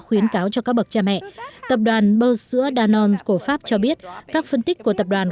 khuyến cáo cho các bậc cha mẹ tập đoàn bơ sữa danone của pháp cho biết các phân tích của tập đoàn